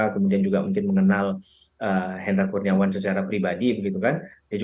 kemudian juga mungkin mengenal hendra kurniawan secara pribadi begitu kan